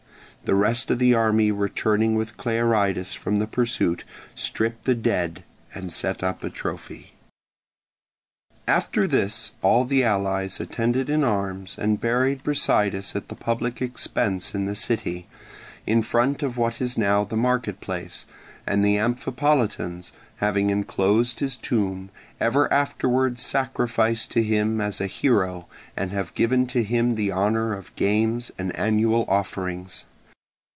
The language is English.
The rest of the army returning with Clearidas from the pursuit stripped the dead and set up a trophy. After this all the allies attended in arms and buried Brasidas at the public expense in the city, in front of what is now the marketplace, and the Amphipolitans, having enclosed his tomb, ever afterwards sacrifice to him as a hero and have given to him the honour of games and annual offerings.